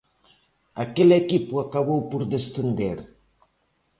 Aquel equipo acabou por descender.